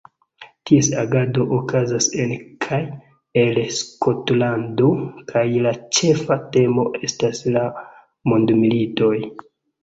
Ties agado okazas en kaj el Skotlando kaj la ĉefa temo estas la mondmilitoj.